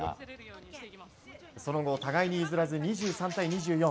その後、互いに譲らず２３対２４。